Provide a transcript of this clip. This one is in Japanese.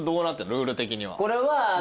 ルール的には。